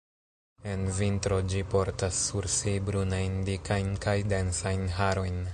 En vintro ĝi portas sur si brunajn, dikajn kaj densajn harojn.